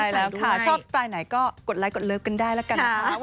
ใช่แล้วค่ะชอบสไตล์ไหนก็กดไลค์กดเลิฟกันได้แล้วกันนะคะ